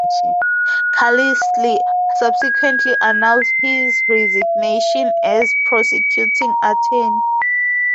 Carlisle subsequently announced his resignation as prosecuting attorney.